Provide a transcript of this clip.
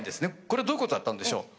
これどういうことだったんでしょう？